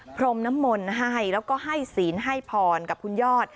พรมนมมลให้แล้วก็ให้ศีลให้พอลกับคุณยอด